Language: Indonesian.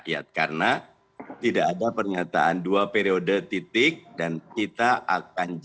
itu kan sama dengan mengatakan